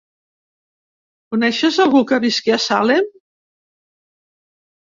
Coneixes algú que visqui a Salem?